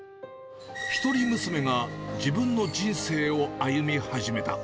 一人娘が自分の人生を歩み始めた。